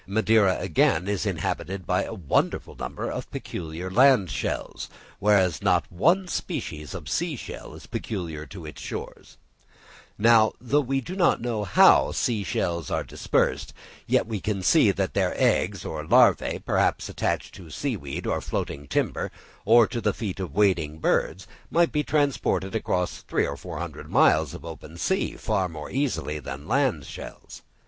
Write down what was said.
Madeira again is inhabited by a wonderful number of peculiar land shells, whereas not one species of sea shell is peculiar to its shores: now, though we do not know how sea shells are dispersed, yet we can see that their eggs or larvæ, perhaps attached to seaweed or floating timber, or to the feet of wading birds, might be transported across three or four hundred miles of open sea far more easily than land shells.